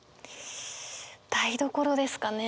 台所ですかね。